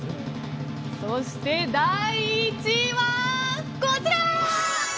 そして第１位は、こちら。